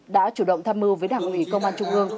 đã chủ động tham mưu với đảng ủy công an trung ương